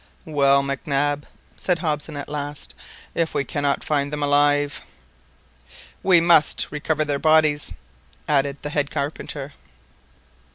"Well, Mac Nab," said Hobson at last, "if we cannot find them alive"—— "We must recover their bodies," added the head carpenter.